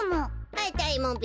あたいもべ。